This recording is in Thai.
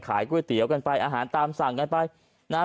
ก๋วยเตี๋ยวกันไปอาหารตามสั่งกันไปนะฮะ